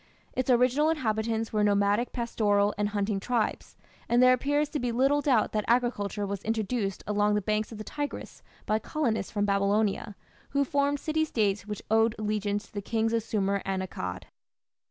Its original inhabitants were nomadic pastoral and hunting tribes, and there appears to be little doubt that agriculture was introduced along the banks of the Tigris by colonists from Babylonia, who formed city States which owed allegiance to the kings of Sumer and Akkad.